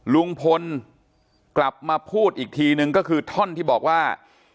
ลุงพลกลับมาพูดอีกทีนึงก็คือท่อนที่บอกว่า